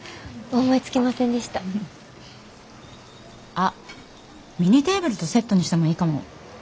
あっミニテーブルとセットにしてもいいかも。